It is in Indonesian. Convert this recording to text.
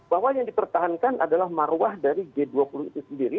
bahwa yang dipertahankan adalah marwah dari g dua puluh itu sendiri